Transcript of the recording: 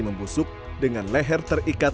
membusuk dengan leher terikat